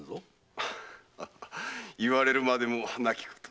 言われるまでもなきこと。